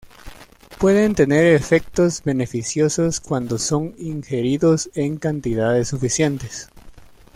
Pueden tener efectos beneficiosos cuando son ingeridos en cantidades suficientes.